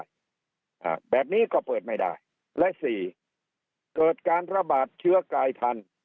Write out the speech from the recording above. อ่าแบบนี้ก็เปิดไม่ได้และสี่เกิดการระบาดเชื้อกายทัน